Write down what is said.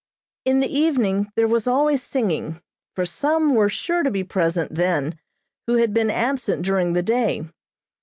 In the evening there was always singing, for some were sure to be present then, who had been absent during the day.